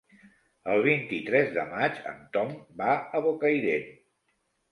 El vint-i-tres de maig en Tom va a Bocairent.